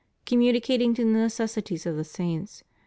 Communicating to the necessities of the saints.